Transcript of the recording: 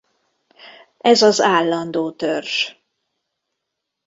Ez az állandó törzs.